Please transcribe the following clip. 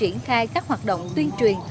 để diễn khai các hoạt động tuyên truyền